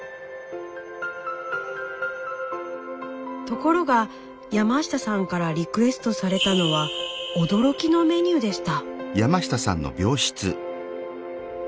ところが山下さんからリクエストされたのは驚きのメニューでした。